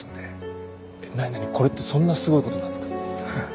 え何何これってそんなすごいことなんすか？